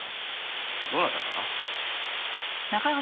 どなたかな？